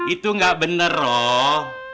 itu nggak bener rok